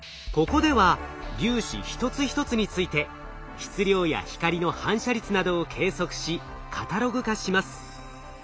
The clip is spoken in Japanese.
ここでは粒子一つ一つについて質量や光の反射率などを計測しカタログ化します。